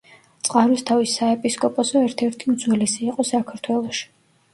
წყაროსთავის საეპისკოპოსო ერთ-ერთი უძველესი იყო საქართველოში.